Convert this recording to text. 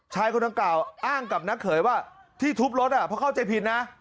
คนดังกล่าวอ้างกับนักเขยว่าที่ทุบรถเพราะเข้าใจผิดนะ